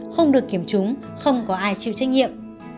không được kiểm chứng không có ai chịu trách nhiệm